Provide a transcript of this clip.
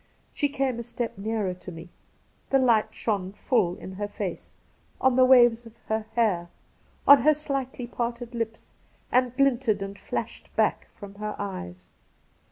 She came a step nearer to me, the light shone full in her face, on the waves of her hair, on her slightly parted lips, and glinted and flashed back from her eyes.